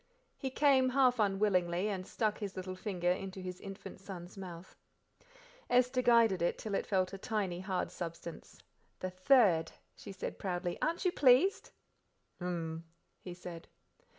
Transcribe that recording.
He came, half unwillingly, and stuck his little finger into his infant son's mouth. Esther guided it till it felt a tiny, hard substance. "The third," she said proudly; "aren't you pleased?" "Hum!" he said.